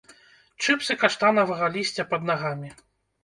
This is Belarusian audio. Чыпсы каштанавага лісця пад нагамі?